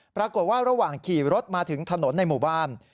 ปรากฏว่าระหว่างขี่รถมาถึงถนนในหมู่บ้าน